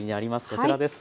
こちらです。